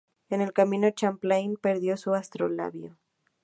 En el camino, Champlain perdió su astrolabio.